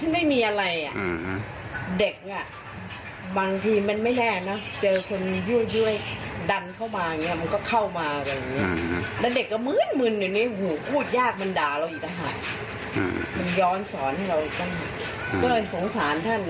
มันย้อนสอนให้เราอีกแล้วก็เลยสงสารท่านอ่ะท่านไม่มีความผิดเอามีการไปปลดอะไรท่านไร้สาระ